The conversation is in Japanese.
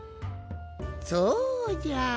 そうじゃ。